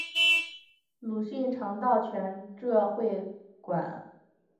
鲁迅常到全浙会馆。